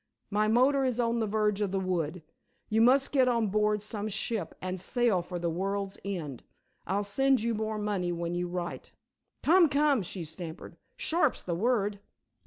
My motor is on the verge of the wood. You must get on board some ship and sail for the world's end. I'll send you more money when you write. Come, come," she stamped, "sharp's the word."